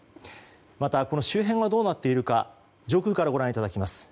またこの周辺はどうなっているか上空からご覧いただきます。